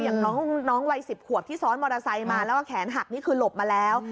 อย่างน้องวัย๑๐ขวบที่ซ้อนมอเตอร์ไซค์มาแล้วก็แขนหักนี่คือหลบมาแล้ว